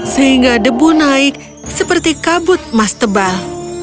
sehingga debu naik seperti kabut mas tebal